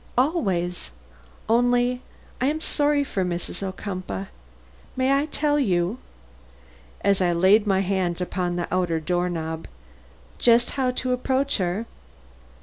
"Always; only I am sorry for Mrs. Ocumpaugh. May I tell you " as I laid my hand upon the outer door knob "just how to approach her?"